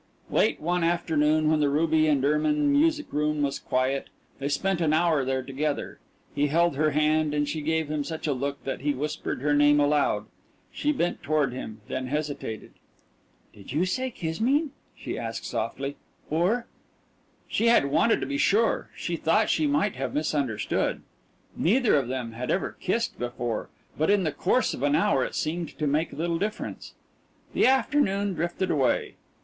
Late one afternoon when the ruby and ermine music room was quiet, they spent an hour there together. He held her hand and she gave him such a look that he whispered her name aloud. She bent toward him then hesitated. "Did you say 'Kismine'?" she asked softly, "or " She had wanted to be sure. She thought she might have misunderstood. Neither of them had ever kissed before, but in the course of an hour it seemed to make little difference. The afternoon drifted away.